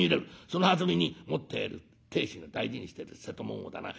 そのはずみに持っている亭主が大事にしてる瀬戸物をだな